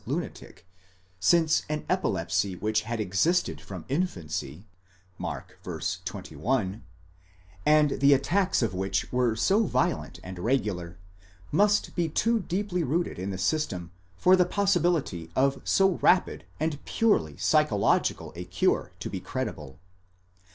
lunatic, since an epilepsy which had existed from infancy (Mark v. 21) and the attacks of which were so violent and regular, must be too deeply rooted in the system for the possibility of so rapid and purely psychological a cure to be credible.